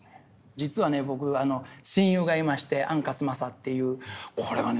実は僕親友がいまして安克昌っていうこれはね